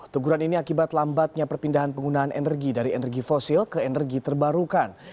teguran ini akibat lambatnya perpindahan penggunaan energi dari energi fosil ke energi terbarukan